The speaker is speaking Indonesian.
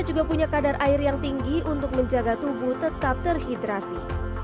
juga punya kadar air yang tinggi untuk menjaga tubuh tetap terhidrasi